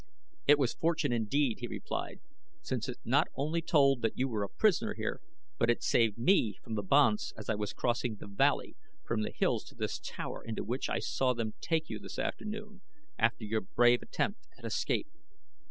"It was fortune indeed," he replied. "Since it not only told that you were a prisoner here; but it saved me from the banths as I was crossing the valley from the hills to this tower into which I saw them take you this afternoon after your brave attempt at escape."